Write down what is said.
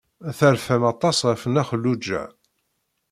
Terfam aṭas ɣef Nna Xelluǧa.